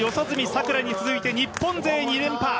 さくらに続いて日本勢２連覇。